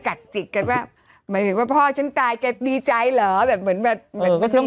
จิตแกว่าหมายถึงว่าพ่อฉันตายแกดีใจเหรอแบบเหมือนแบบเหมือน